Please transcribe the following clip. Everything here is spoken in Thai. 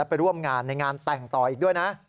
ไปร่วมงานในงานแต่งต่ออีกด้วยนะ